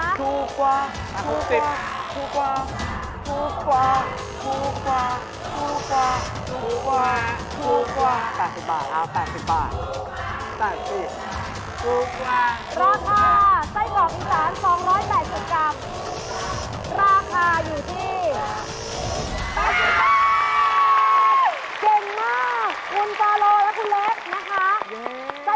ถูกกว่า